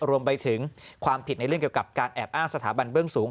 รวมไปถึงความผิดในเรื่องเกี่ยวกับการแอบอ้างสถาบันเบื้องสูง